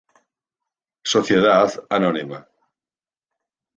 Soc., Ann.